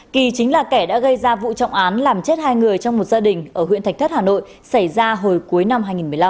kỳ chính là kẻ đã gây ra vụ trọng án làm chết hai người trong một gia đình ở huyện thạch thất hà nội xảy ra hồi cuối năm hai nghìn một mươi năm